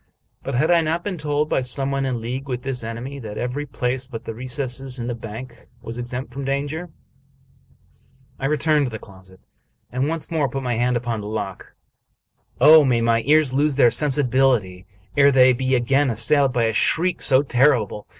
But had I not been told, by some one in league with this enemy, that every place but the recess in the bank was exempt from danger ? I returned, to the closet, and once more put my hand upon the lock. Oh, may my ears lose their sensibility ere they be again assailed by a shriek so terrible